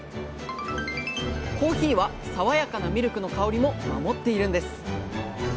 コーヒーはさわやかなミルクの香りも守っているんです